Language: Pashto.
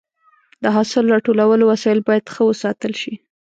د حاصل راټولولو وسایل باید ښه وساتل شي.